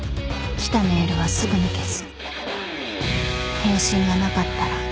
来たメールはすぐに消す